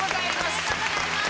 おめでとうございます！